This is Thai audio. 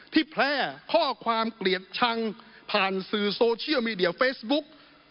แพร่ข้อความเกลียดชังผ่านสื่อโซเชียลมีเดียเฟซบุ๊ก